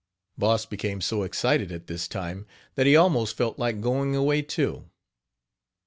Boss became so excited, at this time, that he almost felt like going away too.